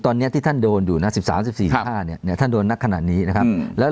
ตอนนี้ท่านโดนอยู่นะ๑๓๑๕นี้ท่านโดนนักขนาดนี้นะครับ